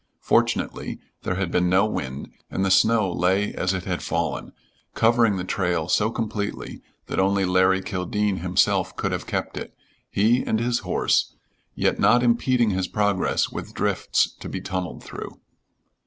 Fortunately there had been no wind, and the snow lay as it had fallen, covering the trail so completely that only Larry Kildene himself could have kept it he and his horse yet not impeding his progress with drifts to be tunneled through.